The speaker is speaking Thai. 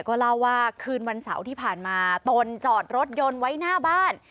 ก็เล่าว่าคืนวันเสาร์ที่ผ่านมาตนจอดรถยนต์ไว้หน้าบ้าน